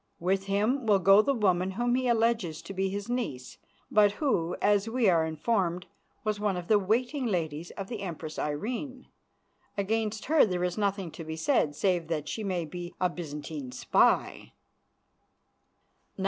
With him will go the woman whom he alleges to be his niece, but who, as we are informed, was one of the waiting ladies of the Empress Irene. Against her there is nothing to be said save that she may be a Byzantine spy.